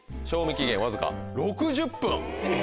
賞味期限わずか６０分。